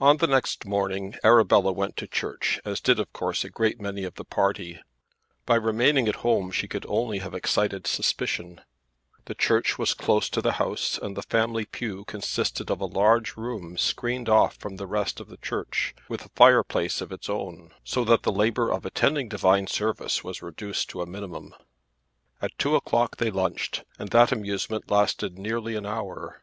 On the next morning Arabella went to church as did of course a great many of the party. By remaining at home she could only have excited suspicion. The church was close to the house, and the family pew consisted of a large room screened off from the rest of the church, with a fire place of its own, so that the labour of attending divine service was reduced to a minimum. At two o'clock they lunched, and that amusement lasted nearly an hour.